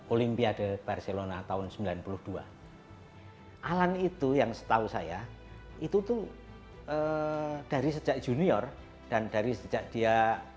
olimpiade barcelona tahun sembilan puluh dua alan itu yang setahu saya itu tuh dari sejak junior dan dari sejak dia